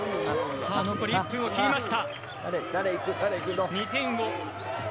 さぁ、１分を切りました。